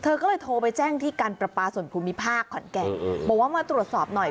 เธอก็เลยโทรไปแจ้งที่การประปาส่วนภูมิภาคขอนแก่นบอกว่ามาตรวจสอบหน่อย